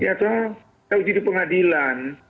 kita uji di pengadilan